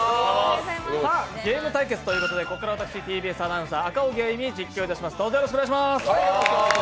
ゲーム対決ということで、ここから私、ＴＢＳアナウンサー、赤荻歩実況いたします。